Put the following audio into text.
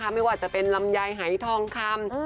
ไม่ว่าจะเป็นลำไยหายทองคำ